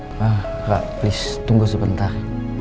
ah rara please tunggu sebentar